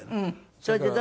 それで。